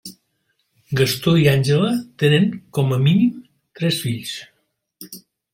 Gastó i Àngela tenen, com a mínim, tres fills.